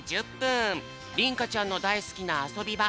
りんかちゃんのだいすきなあそびば